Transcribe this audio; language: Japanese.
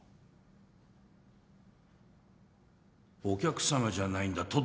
お客さまじゃないんだ。